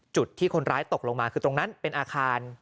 จุดที่คนร้ายตกลงมาคือตรงนั้นเป็นอาคาร